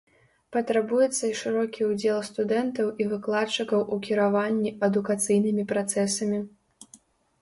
Патрабуецца і шырокі ўдзел студэнтаў і выкладчыкаў у кіраванні адукацыйнымі працэсамі.